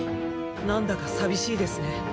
なんだか寂しいですね。